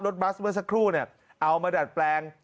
บัสเมื่อสักครู่เนี่ยเอามาดัดแปลง